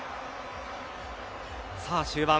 さあ、終盤。